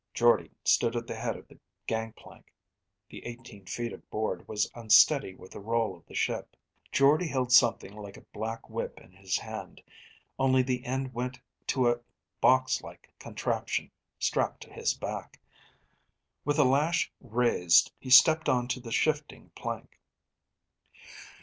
Jordde stood at the head of the gangplank. The eighteen feet of board was unsteady with the roll of the ship. Jordde held something like a black whip in his hand, only the end went to a box like contraption strapped to his back. With the lash raised, he stepped onto the shifting plank.